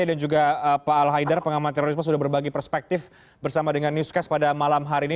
dan juga pak al haidar pengamatan terorisme sudah berbagi perspektif bersama dengan newscast pada malam hari ini